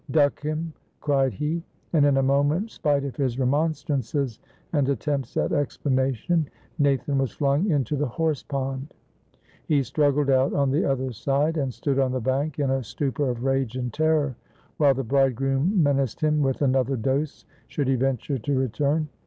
"Duck him!" cried he. And in a moment, spite of his remonstrances and attempts at explanation, Nathan was flung into the horse pond. He struggled out on the other side, and stood on the bank in a stupor of rage and terror, while the bridegroom menaced him with another dose, should he venture to return.